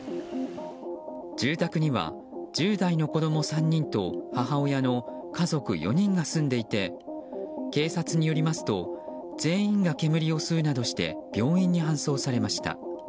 住宅には１０代の子供３人と母親の家族４人が住んでいて警察によりますと全員が煙を吸うなどして病院に搬送されました。